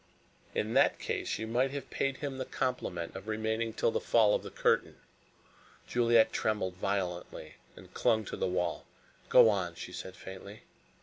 "In that case, you might have paid him the compliment of remaining till the fall of the curtain." Juliet trembled violently and clung to the wall. "Go on," she said faintly.